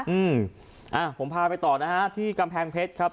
อืมอ่าผมพาไปต่อนะฮะที่กำแพงเพชรครับ